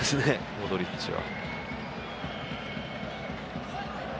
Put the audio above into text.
モドリッチは。